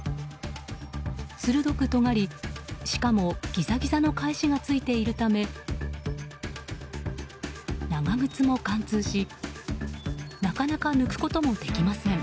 鋭くとがり、しかもギザギザの返しがついているため長靴も貫通しなかなか抜くこともできません。